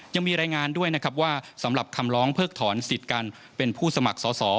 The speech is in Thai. ยังมีรายงานด้วยนะครับว่าสำหรับคำร้องเพิกถอนสิทธิ์การเป็นผู้สมัครสอสอ